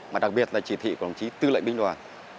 mà đặc biệt là chỉ thị của đồng chí tư lệnh binh đoàn